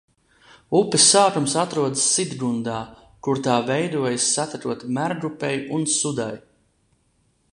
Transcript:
Upes sākums atrodas Sidgundā, kur tā veidojas, satekot Mergupei un Sudai.